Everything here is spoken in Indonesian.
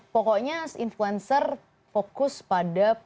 pokoknya influencer fokus pada